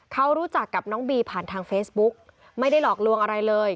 เขารู้จักกับน้องบีผ่านทางเฟซบุ๊กไม่ได้หลอกลวงอะไรเลย